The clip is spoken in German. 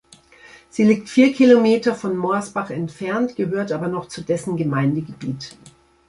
Sie liegt vier Kilometer von Morsbach entfernt, gehört aber noch zu dessen Gemeindegebiet.